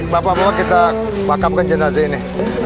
bapak bapak kita makamkan jenazah ini